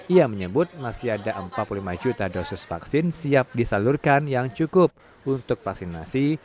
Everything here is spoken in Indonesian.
ia menyebut masih ada empat puluh lima juta dosis vaksin siap disalurkan yang cukup untuk vaksinasi